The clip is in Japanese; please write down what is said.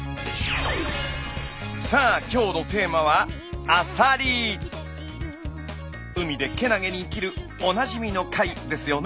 さあ今日のテーマは海でけなげに生きるおなじみの貝ですよね。